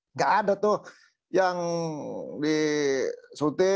nggak ada tuh yang disuti